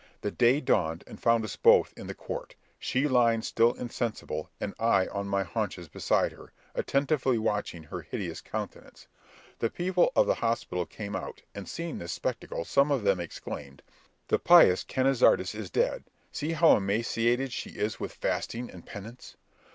The day dawned and found us both in the court, she lying still insensible, and I on my haunches beside her, attentively watching her hideous countenance. The people of the hospital came out, and seeing this spectacle, some of them exclaimed, "The pious Cañizares is dead! See how emaciated she is with fasting and penance."